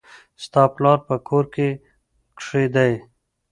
ستا پلار په کور کښي دئ.